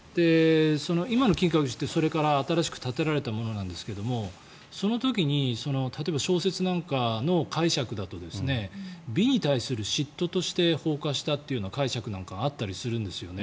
今の金閣寺って、それから新しく建てられたものなんですがその時に、例えば小説なんかの解釈だと美に対する嫉妬として放火したという解釈なんかがあったりするんですよね。